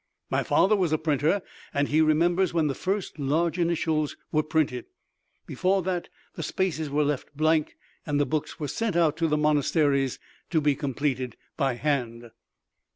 My father was a printer and he remembers when the first large initials were printed—before that the spaces were left blank and the books were sent out to the monasteries to be completed by hand.